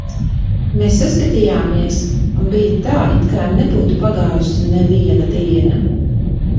Mēs saskatījāmies, un bija tā, it kā nebūtu pagājusi neviena diena.